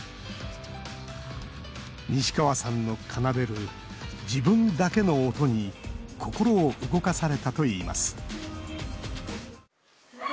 西川さんの奏でる自分だけの音に心を動かされたといいます。